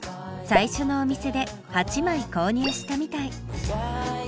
最初のお店で８枚購入したみたい。